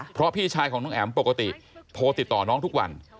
เพราะพี่ชายของน้องแอ๋มปกติโทรติดต่อน้องทุกวัน